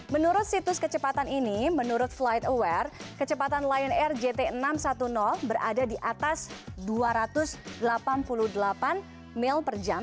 menurut situs kecepatan ini menurut flight aware kecepatan lion air jt enam ratus sepuluh berada di atas dua ratus delapan puluh delapan mil per jam